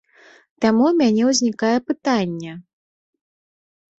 Таму ў мяне ўзнікае пытанне?